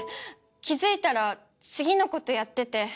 気付いたら次のことやってて。